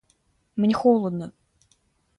— Мне холодно.